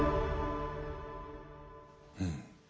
うん。